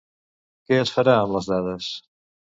Què es farà amb les dades?